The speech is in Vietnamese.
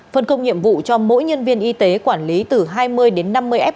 phân công nhiệm vụ cho mỗi nhân viên y tế quản lý từ hai mươi đến năm mươi f